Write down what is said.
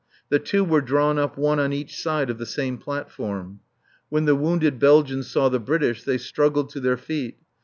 The two were drawn up one on each side of the same platform. When the wounded Belgians saw the British they struggled to their feet.